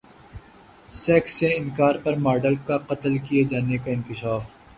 sex سے انکار پر ماڈل کا قتل کیے جانے کا انکشاف